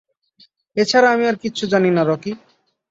এছাড়া আমি আর কিচ্ছু জানি না, রকি।